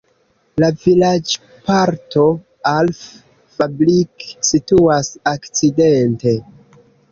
La vilaĝparto Alf-Fabrik situas okcidente.